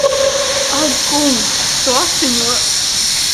Ak kungs! Tu asiņo!